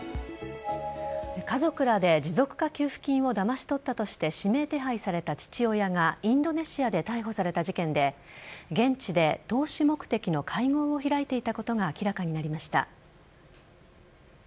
家族らで持続化給付金をだまし取ったとして指名手配された父親がインドネシアで逮捕された事件で現地で投資目的の会合を開いていたことが明らかになりました。